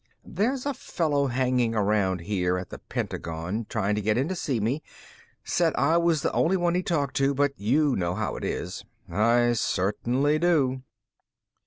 "There's a fellow hanging around out here at the Pentagon, trying to get in to see me. Said I was the only one he'd talk to, but you know how it is." "I certainly do."